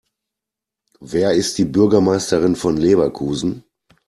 Wer ist die Bürgermeisterin von Leverkusen?